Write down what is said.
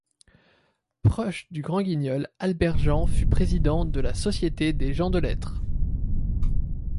Proche du Grand-Guignol, Albert-Jean fut président de la Société des gens de lettres.